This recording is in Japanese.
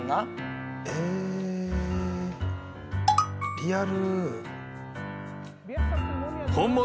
リアル。